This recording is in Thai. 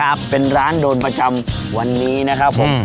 ครับเป็นร้านโดนประจำวันนี้นะครับผม